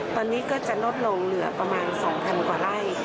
ตอนนี้ก็จะลดลงเหลือประมาณ๒๐๐กว่าไร่